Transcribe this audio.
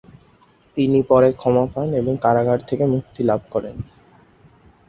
তিনি পরে ক্ষমা পান এবং কারাগার থেকে মুক্তিলাভ করেন।